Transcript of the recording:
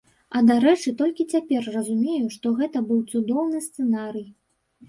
Я, дарэчы, толькі цяпер разумею, што гэта быў цудоўны сцэнарый.